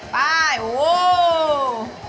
ไปโอ้โห